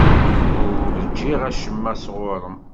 Ur ṛjiɣ acemma sɣur-m.